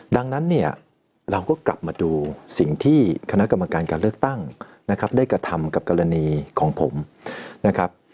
ดังนั้นเนี่ยเราก็กลับมาดูสิ่งที่คณะกรรมการการเลือกตั้งนะครับได้กระทำกับกรณีของผมนะครับ